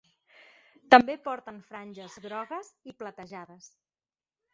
També porten franges grogues i platejades.